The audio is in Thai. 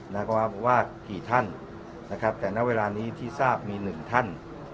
หมายความว่ากี่ท่านนะครับแต่ณเวลานี้ที่ทราบมีหนึ่งท่าน